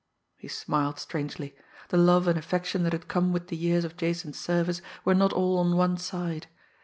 He smiled strangely. The love and affection that had come with the years of Jason's service were not all on one side.